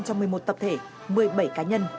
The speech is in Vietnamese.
cho một mươi một tập thể một mươi bảy cá nhân